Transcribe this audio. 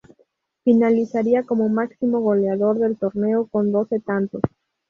Finalizaría como máximo goleador del torneo con doce tantos.